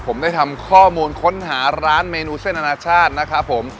ผมได้ทำข้อมูลค้นหาร้านเมนูเส้นอนาชาตินะครับผม